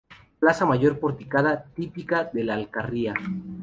Plaza mayor porticada, típica de La Alcarria.